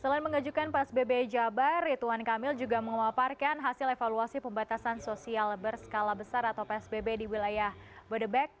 selain mengajukan psbb jabar rituan kamil juga memaparkan hasil evaluasi pembatasan sosial berskala besar atau psbb di wilayah bodebek